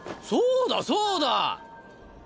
そうだそうだ！